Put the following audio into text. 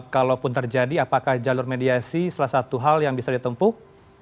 kalaupun terjadi apakah jalur mediasi salah satu hal yang bisa ditempuh